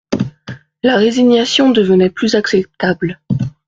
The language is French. La résignation devenait plus acceptable.